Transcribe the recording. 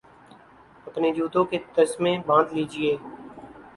اپنے جوتوں کے تسمے باندھ لیجئے